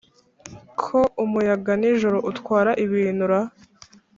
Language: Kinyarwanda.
ko umuyaga-nijoro utwara ibintu ra